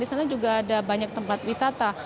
di sana juga ada banyak tempat wisata